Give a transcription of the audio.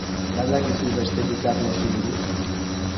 Ba al dakizu besterik Karlosi buruz?